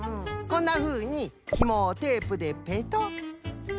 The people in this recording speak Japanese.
こんなふうにひもをテープでペトッ。